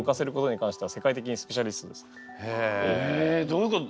えどういうこと？